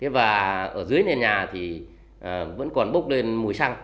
và ở dưới nền nhà thì vẫn còn bốc lên mùi xăng